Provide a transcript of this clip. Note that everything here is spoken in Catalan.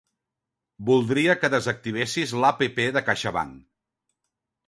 Voldria que desactivessis l'app de Caixabank.